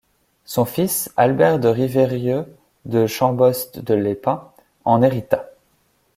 Son fils, Albert de Rivérieulx de Chambost de Lépin, en hérita.